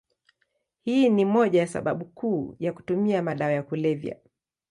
Hii ni moja ya sababu kuu ya kutumia madawa ya kulevya.